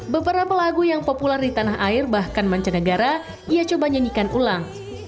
beberapa lagu yang populer di tanah air bahkan mancanegara ia coba nyanyikan ulang